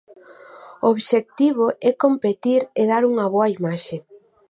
O obxectivo é competir e dar unha boa imaxe.